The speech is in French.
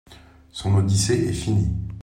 Son Odyssée est finie.